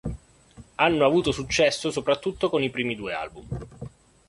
Hanno avuto successo soprattutto con i primi due album.